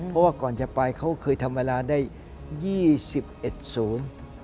เพราะว่าก่อนจะไปเขาเคยทำเวลาได้๒๑ศูนย์